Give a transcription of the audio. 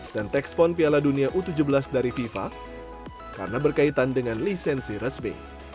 dan tekst fon piala dunia u tujuh belas dari fifa karena berkaitan dengan lisensi resmi